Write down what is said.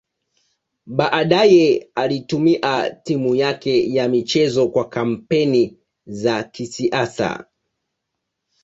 Baadaye alitumia timu yake ya michezo kwa kampeni za kisiasa.